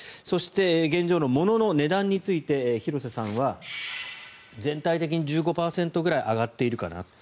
そして、現状のものの値段について廣瀬さんは、全体的に１５％ぐらい上がっているかな。